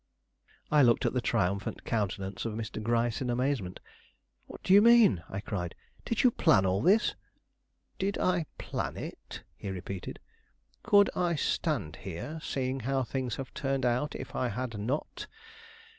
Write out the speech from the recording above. I looked at the triumphant countenance of Mr. Gryce in amazement. "What do you mean?" I cried; "did you plan all this?" "Did I plan it?" he repeated. "Could I stand here, seeing how things have turned out, if I had not?